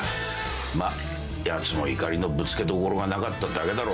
まっやつも怒りのぶつけどころがなかっただけだろう。